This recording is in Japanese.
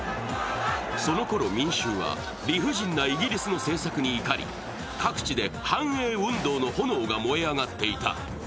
そのころ民衆は理不尽なイギリスの政策に怒り、各地で反英運動の炎が燃え上がっていた。